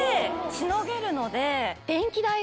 しのげるので。